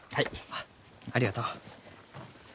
あっありがとう。